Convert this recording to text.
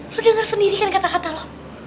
lu denger sendiri kan kata kata lo